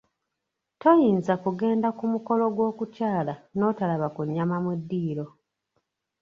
Toyinza kugenda ku mukolo gw’okukyala n’otalaba ku nnyama mu ddiro.